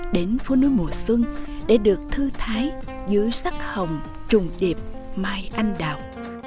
đến phố núi mùa xuân để được thư thái dưới sắc hồng trùng điệp mai anh đào